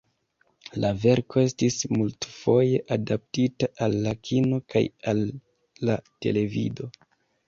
La verko estis multfoje adaptita al la kino kaj al la televido.